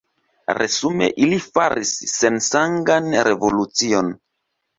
Resume ili faris sensangan revolucion.